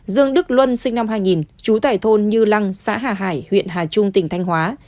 dương đức luân sinh năm hai nghìn trú tại thôn như lăng xã hà hải huyện hà trung tỉnh thanh hóa